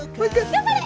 頑張れ！